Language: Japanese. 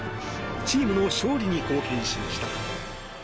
チームの勝利に貢献しました。